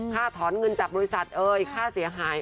ถอนเงินจากบริษัทเอ่ยค่าเสียหาย